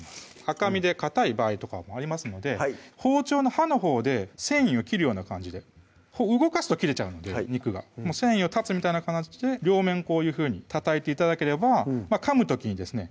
赤身でかたい場合とかもありますので包丁の刃のほうで繊維を切るような感じで動かすと切れちゃうので肉が繊維を断つみたいな形で両面こういうふうにたたいて頂ければかむ時にですね